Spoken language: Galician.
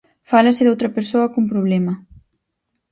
Fálase doutra persoa cun problema.